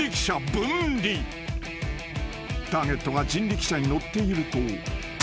［ターゲットが人力車に乗っていると］